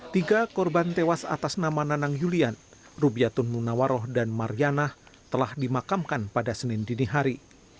tiga korban tewas atas nama nanang yulian rubiatun munawaroh dan mariana telah dimakamkan pada senin dini hari